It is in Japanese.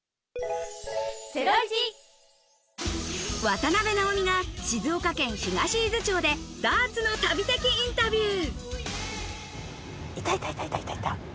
渡辺直美が静岡県東伊豆町でダーツの旅的インタビュー。